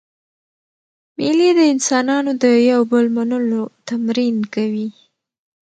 مېلې د انسانانو د یو بل منلو تمرین کوي.